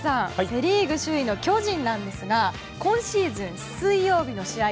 セ・リーグ首位の巨人なんですが今シーズン水曜日の試合